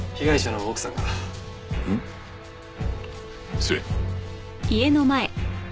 失礼。